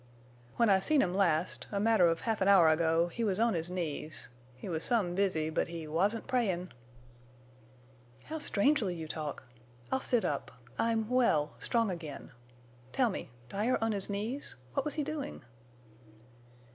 _ "When I seen him last—a matter of half an hour ago, he was on his knees. He was some busy, but he wasn't prayin'!" "How strangely you talk! I'll sit up. I'm—well, strong again. Tell me. Dyer on his knees! What was he doing?"